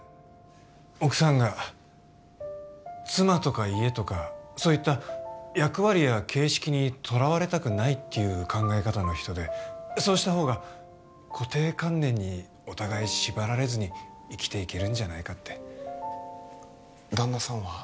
奥さんが妻とか家とかそういった役割や形式にとらわれたくないっていう考え方の人でそうしたほうが固定観念にお互い縛られずに生きていけるんじゃないかって旦那さんは？